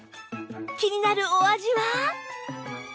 気になるお味は？